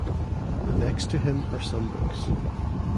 Next to him are some books.